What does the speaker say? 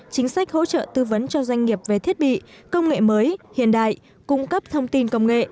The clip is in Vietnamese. chính sách hỗ trợ tư vấn cho doanh nghiệp về thiết bị công nghệ mới hiện đại cung cấp thông tin công nghệ